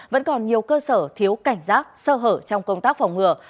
vẫn còn nhiều cơ sở thiếu cảnh giác sơ hở trong công tác phòng ngừa